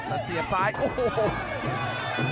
แล้วเสียบซ้ายโอ้โห